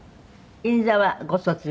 銀座はご卒業？